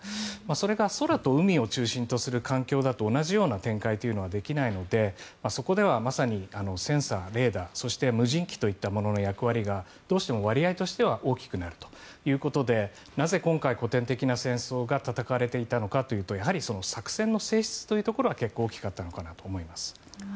それが空と海を中心とする環境だと同じような展開はできないのでそこではまさにセンサー、レーダーそして無人機といったものの役割がどうしても割合としては大きくなるということでなぜ今回、古典的な戦争が戦われていたのかというと作戦の性質というところが結構大きかったのかなと思います。